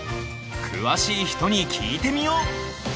詳しい人に聞いてみよう！